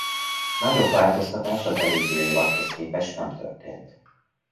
Nagyobb változtatás az előző évadhoz képest nem történt.